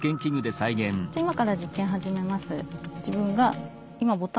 今から実験を始めます。